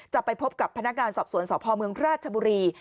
จะไปพบกับพนักงานสอบสวนสพเมืองราชบุรี